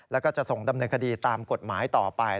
แล้วก็จะส่งดำเนินคดีตามกฎหมายต่อไป